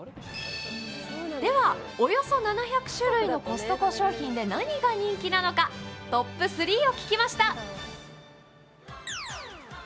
では、およそ７００種類のコストコ商品で何が人気なのか、トップ３を聞きました。